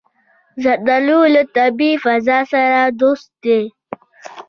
زردالو له طبیعي فضا سره دوست دی.